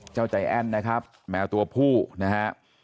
เจ้าใจแอ้นนะครับแมวตัวผู้นะครับ